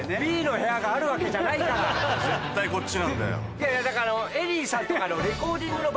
いやいやだから。